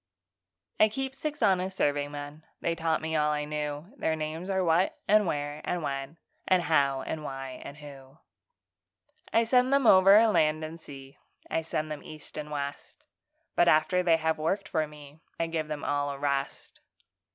_ I keep six honest serving men (They taught me all I knew); Their names are What and Why and When And How and Where and Who. I send them over land and sea, I send them east and west; But after they have worked for me, I give them all a rest.